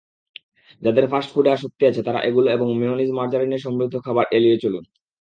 যাঁদের ফাস্টফুডে আসক্তি আছে, তাঁরা এগুলো এবং মেয়নিজ মার্জারিনে সমৃদ্ধ খাবার এড়িয়ে চলুন।